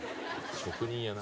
職人やな。